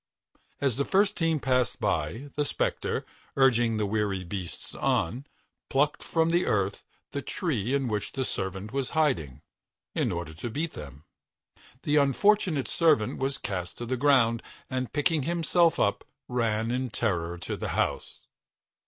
As the first team passed by, the spectre, urging the weary beasts on, plucked from the earth the tree in which the servant was hiding, in order to beat them. The unfortunate servant was cast to the ground, and, picking himself up, ran in terror to the house.